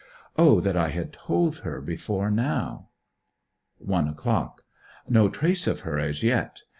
O that I had told her before now! 1 o'clock. No trace of her as yet.